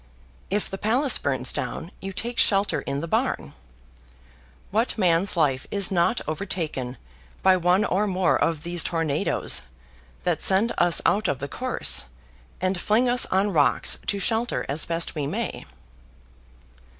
If the palace burns down, you take shelter in the barn. What man's life is not overtaken by one or more of these tornadoes that send us out of the course, and fling us on rocks to shelter as best we may?